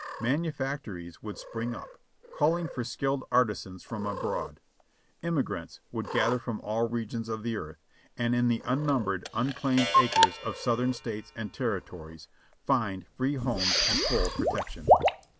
Manu factories would spring up, calling for skilled artisans from abroad. Emigrants would gather from all regions of the earth, and in the unnumbered, unclaimed acres of Southern States and Territories, find free homes and full protection.